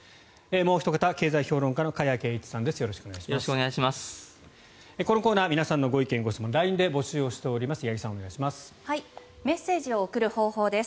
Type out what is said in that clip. もうおひと方経済評論家の加谷珪一さんです